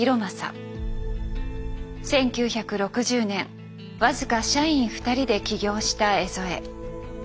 １９６０年僅か社員２人で起業した江副。